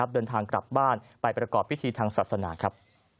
เดินทางกลับบ้านไปประกอบพิธีทางศาสนาครับ